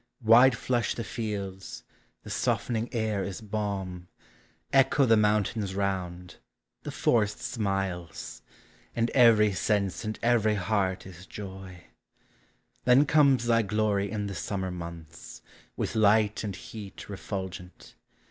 Wide flush the fields; the softening air is balm; Echo the mountains round; the forest smiles; And every sense and every heart is iov. Then comes thy glory in the Summer months, With light and heat refulgent.